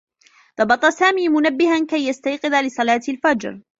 ضبط سامي منبّهه كي يستيقظ لصلاة الفجر.